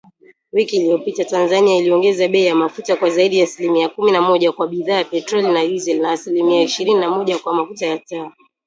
Wiki iliyopita, Tanzania iliongeza bei ya mafuta kwa zaidi ya asilimia kumi na moja kwa bidhaa ya petroli na dizeli, na asilimia ishirini na moja kwa mafuta ya taa